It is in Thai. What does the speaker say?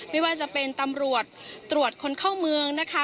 ไม่ว่าจะเป็นตำรวจตรวจคนเข้าเมืองนะคะ